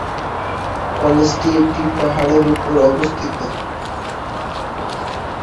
কলেজটি একটি পাহাড়ের উপরে অবস্থিত।